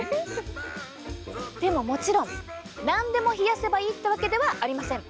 でも、もちろんなんでも冷やせばいいってわけではありません。